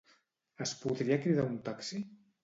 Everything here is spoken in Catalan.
Es podria cridar un taxi?